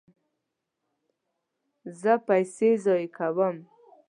زه پیسې ضایع کوم